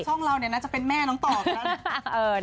ช่องเราน่าจะเป็นแม่น้องต่อแล้ว